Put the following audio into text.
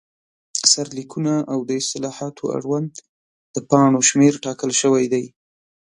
سرلیکونه، او د اصطلاحاتو اړوند د پاڼو شمېر ټاکل شوی دی.